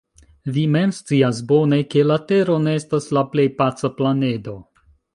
Vi mem scias bone, ke la tero ne estas la plej paca planedo.